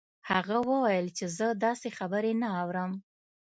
هغه وویل چې زه داسې خبرې نه اورم